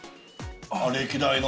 ◆歴代の？